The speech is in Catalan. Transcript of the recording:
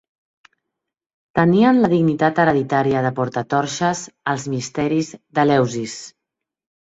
Tenien la dignitat hereditària de porta torxes als misteris d'Eleusis.